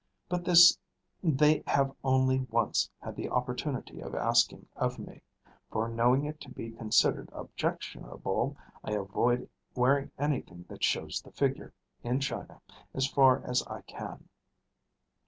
But this they have only once had the opportunity of asking of me; for knowing it to be considered objectionable, I avoid wearing anything that shows the figure, in China, as far as I can.